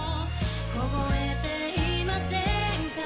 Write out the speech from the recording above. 凍えていませんか？